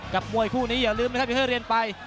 มวยคู่นี้อย่าลืมนะครับอย่างที่เรียนไป